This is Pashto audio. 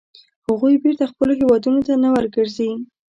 هغوی بېرته خپلو هیوادونو ته نه ورګرځي.